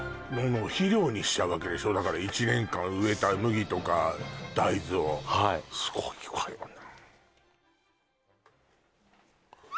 肥料にしちゃうわけでしょだから１年間植えた麦とか大豆をはいすごいわよな